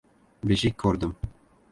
«Beshik ko‘rdim».